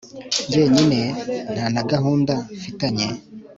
njyenyine ntanagahunda mfitanye